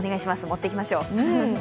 持って行きましょう。